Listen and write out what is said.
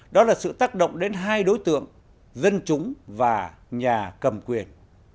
đó là sự tác động đến hai đối tượng dân chúng và nhà cầm quyền